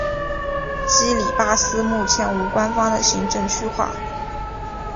基里巴斯目前无官方的行政区划。